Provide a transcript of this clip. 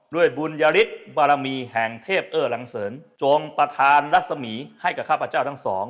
บุญยฤทธิ์บารมีแห่งเทพเอ้อหลังเสริญจงประธานรัศมีให้กับข้าพเจ้าทั้งสอง